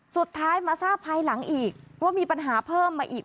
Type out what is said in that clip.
สุดท้ายมาทราบภายหลังอีกว่ามีปัญหาเพิ่มมาอีก